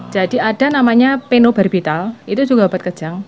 jadi ada namanya penobarbital itu juga obat kejang